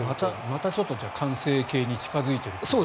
またちょっと完成形に近付いていると。